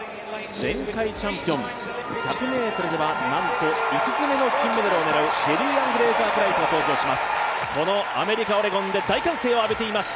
前回チャンピオン１００ｍではなんと５つめの金メダルを狙うシェリーアン・フレイザー・プライスが登場します。